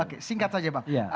oke singkat saja bang